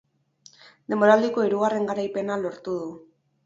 Denboraldiko hirugarren garaipena lortu du.